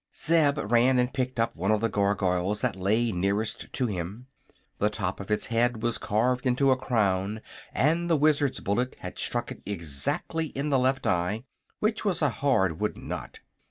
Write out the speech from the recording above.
Zeb ran and picked up one of the Gargoyles that lay nearest to him. The top of its head was carved into a crown and the Wizard's bullet had struck it exactly in the left eye, which was a hard wooden knot.